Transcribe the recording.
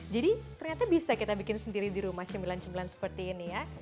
jadi ternyata bisa kita bikin sendiri di rumah cemilan cemilan seperti ini ya